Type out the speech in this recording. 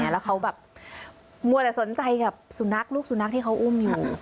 แล้วเขาแบบมัวแต่สนใจกับสุนัขลูกสุนัขที่เขาอุ้มอยู่